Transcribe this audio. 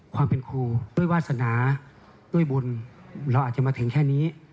ความเป็นครูด้วยวาสนาด้วยบุญเราอาจจะมาถึงแค่นี้